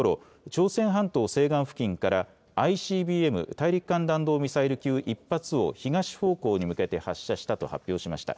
朝鮮半島西岸付近からＩＣＢＭ・大陸間弾道ミサイル級１発を東方向に向けて発射したと発表しました。